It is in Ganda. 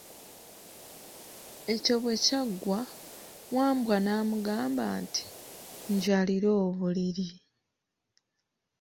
Ekyo bwe kyaggwa, Wambwa n'amugamba nti, njalira obuliri.